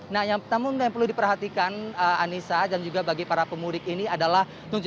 nah namun yang perlu diperhatikan anissa dan juga bagi para pemudik ini adalah